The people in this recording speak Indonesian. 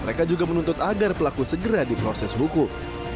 mereka juga menuntut agar pelaku segera diproses hukum